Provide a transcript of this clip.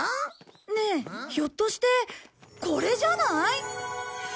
ねえひょっとしてこれじゃない？